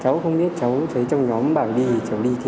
cháu không biết cháu thấy trong nhóm bảo đi thì cháu đi